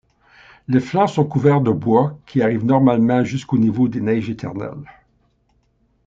Les flancs sont couverts de bois qui arrivent normalement jusqu'au niveau des neiges éternelles.